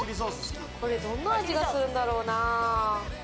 これどんな味がするんだろうな。